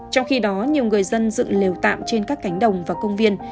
trong khi đó nhiều người dân dựng lều tạm trên các cánh đồng và công viên